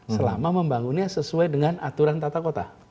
selama membangunnya sesuai dengan aturan tata kota